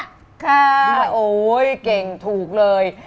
อเรนนี่รู้แล้วเก่งถูกเลย